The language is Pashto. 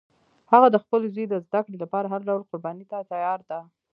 هغه د خپل زوی د زده کړې لپاره هر ډول قربانی ته تیار ده